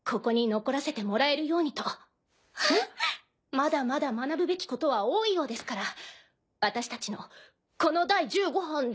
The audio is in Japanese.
まだまだ学ぶべきことは多いようですから私たちのこの第十五班で。